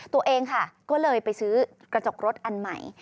ตัวเองค่ะก็เลยไปซื้อกระจกรถอันใหม่